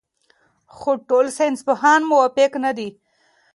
خو ټول ساینسپوهان موافق نه دي.